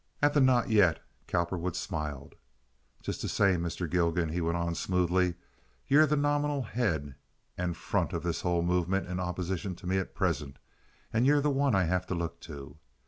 At the "not yet" Cowperwood smiled. "Just the same, Mr. Gilgan," he went on, smoothly, "you're the nominal head and front of this whole movement in opposition to me at present, and you're the one I have to look to.